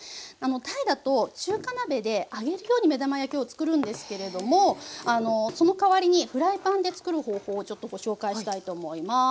タイだと中華鍋で揚げるように目玉焼きを作るんですけれどもそのかわりにフライパンで作る方法をちょっとご紹介したいと思います。